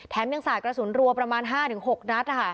ยังสาดกระสุนรัวประมาณ๕๖นัด